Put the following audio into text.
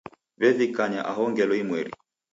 W'evikanya aho ngelo imweri.